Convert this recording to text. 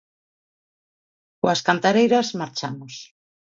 Coas cantareiras marchamos.